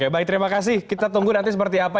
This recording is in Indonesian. baik terima kasih kita tunggu nanti seperti apa